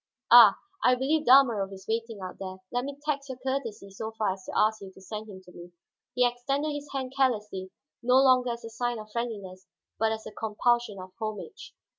Ah, I believe Dalmorov is waiting out there; let me tax your courtesy so far as to ask you to send him to me." He extended his hand carelessly; no longer as a sign of friendliness, but as a compulsion of homage.